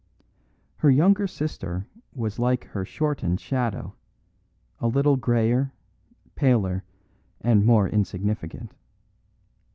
Her younger sister was like her shortened shadow, a little greyer, paler, and more insignificant.